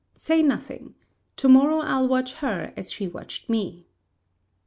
Say nothing, to morrow I'll watch her as she watched me."